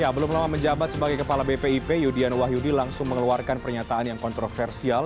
belum lama menjabat sebagai kepala bpip yudian wahyudi langsung mengeluarkan pernyataan yang kontroversial